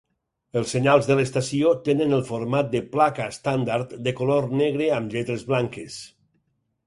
Els senyals de l'estació tenen el format de placa estàndard de color negre amb lletres blanques.